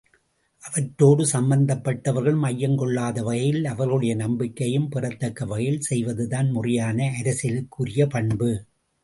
அவற்றோடு சம்பந்தப்பட்டவர்கள் ஐயம் கொள்ளாத வகையில் அவர்களுடைய நம்பிக்கையையும் பெறத்தக்கவகையில் செய்வதுதான் முறையான அரசியலுக்குரிய பண்பு.